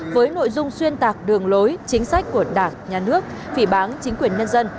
với nội dung xuyên tạc đường lối chính sách của đảng nhà nước phỉ bán chính quyền nhân dân